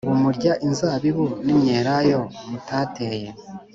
Ubu murya inzabibu n imyelayo mutateye